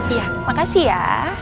iya makasih ya